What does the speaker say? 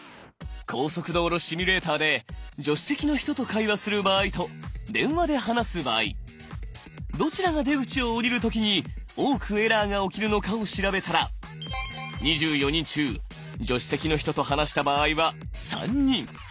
高速道路シミュレーターで助手席の人と会話する場合と電話で話す場合どちらが出口を降りる時に多くエラーが起きるのかを調べたら２４人中助手席の人と話した場合は３人。